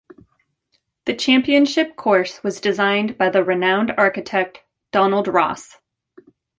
The championship course was designed by the renowned architect, Donald Ross.